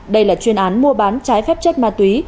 đây là chuyên án mua bán trái phép chất ma túy